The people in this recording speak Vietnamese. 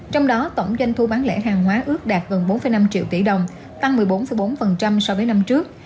trong đó tổng doanh thu bán lẻ hàng hóa ước đạt gần bốn năm triệu tỷ đồng tăng một mươi bốn bốn so với năm trước